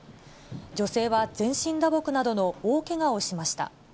女性は、全身打撲などの大けがをしました。